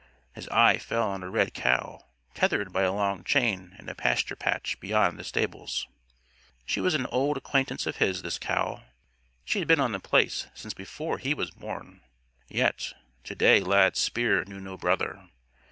His eye fell on a red cow, tethered by a long chain in a pasture patch beyond the stables. She was an old acquaintance of his, this cow. She had been on The Place since before he was born. Yet, to day Lad's spear knew no brother.